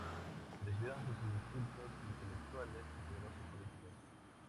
Recibieron sus insultos intelectuales y poderosos políticos.